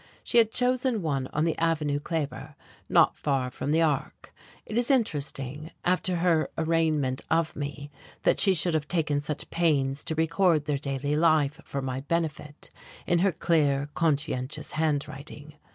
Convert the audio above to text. She had chosen one on the Avenue Kleber, not far from the Arc. It is interesting, after her arraignment of me, that she should have taken such pains to record their daily life for my benefit in her clear, conscientious handwriting.